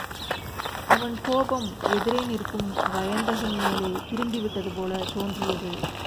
அவன் கோபம் எதிரே நிற்கும் வயந்தகன் மேலே திரும்பிவிட்டதுபோலத் தோன்றியது.